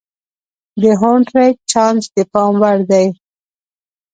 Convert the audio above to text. د هونټریج چانس د پام وړ دی.